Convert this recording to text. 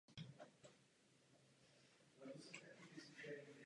V jeho rámci dokážeme udělat skutečně hodně.